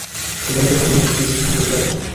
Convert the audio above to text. কুরাইশদের হাতেগোনা নেতৃস্থানীয় লোকদের একজন।